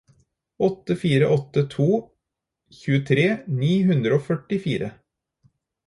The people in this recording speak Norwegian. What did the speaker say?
åtte fire åtte to tjuetre ni hundre og førtifire